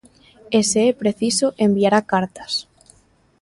E se é preciso, enviará cartas.